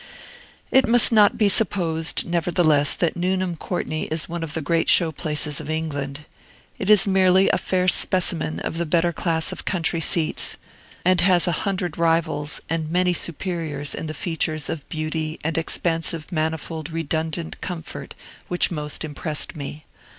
It must not be supposed, nevertheless, that Nuneham Courtney is one of the great show places of England. It is merely a fair specimen of the better class of country seats, and has a hundred rivals, and many superiors, in the features of beauty, and expansive, manifold, redundant comfort, which most impressed me.